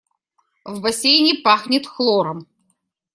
В бассейне пахнет хлором.